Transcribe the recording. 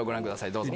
どうぞ。